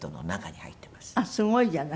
すごいじゃない。